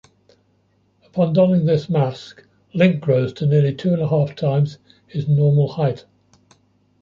Upon donning this mask, Link grows to nearly two-and-a-half times his normal height.